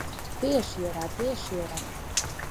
Пеш йӧра, пеш йӧра...